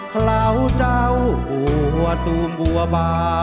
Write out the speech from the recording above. คลาวเจ้าบัวตูมบัวบา